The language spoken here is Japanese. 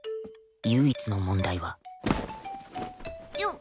唯一の問題はよっ！